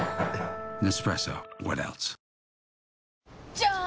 じゃーん！